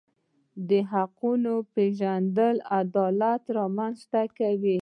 د حقونو پیژندل عدالت رامنځته کوي.